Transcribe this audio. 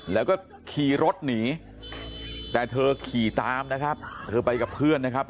แล้วก็ขี่รถหนีแต่เธอขี่ตามนะครับเธอไปกับเพื่อนนะครับ